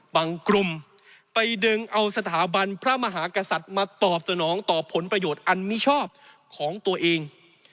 กลุ่มไปดึงเอาสถาบันพระมหากษัตริย์มาตอบสนองต่อผลประโยชน์อันมิชอบของตัวเอง